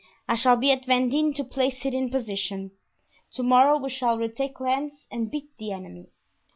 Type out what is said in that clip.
I shall be at Vendin to place it in position. To morrow we shall retake Lens and beat the enemy."